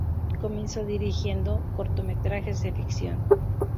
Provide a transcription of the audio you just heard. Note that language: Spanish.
Comenzó dirigiendo cortometrajes de ficción.